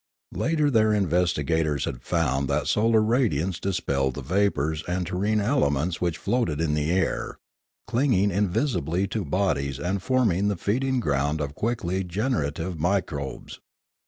Later their investigators had found that solar radiance dispelled the vapours and terrene elements which floated in the air, clinging invisibly to bodies and forming the feeding ground of quickly generative microbes.